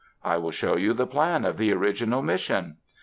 I will show you the plan of the original Mission."